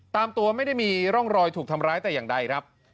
ตามตัวไม่ได้มีร่องรอยถูกทำร้ายแต่อย่างใดครับ